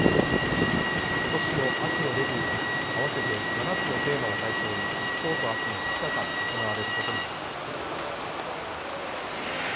ことしの秋のレビューは合わせて７つのテーマを対象にきょうとあすの２日間行われることになっています。